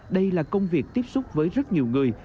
đây là công việc tiếp xúc với rất nhiều người